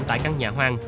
tại căn nhà hoang